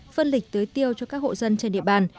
phân lịch tưới tiêu cho các hộ dân trên địa bàn